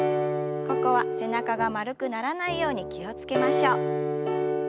ここは背中が丸くならないように気を付けましょう。